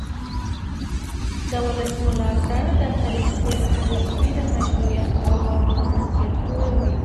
د ولس ملاتړ د هرې سترې پرېکړې د مشروعیت او باور بنسټ جوړوي